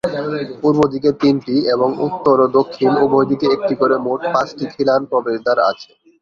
পূর্বদিকে তিনটি এবং উত্তর ও দক্ষিণ উভয়দিকে একটি করে মোট পাঁচটি খিলান প্রবেশদ্বার আছে।